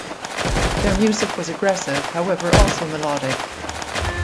Their music was aggressive however also melodic.